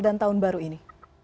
dan tahun baru ini